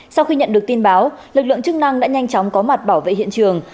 sau khi nhận được tin báo lực lượng chức năng đã nhanh chóng có mặt bảo vệ hiện trường